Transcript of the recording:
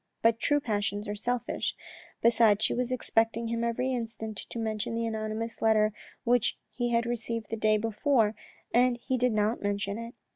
But true passions are selfish. Besides she was expecting him every instant to mention the anonymous letter which he had received the day before and he did not mention it.